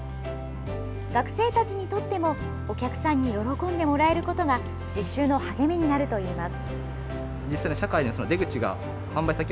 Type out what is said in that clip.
学生たちにとってもお客さんに喜んでもらえることが実習の励みになるといいます。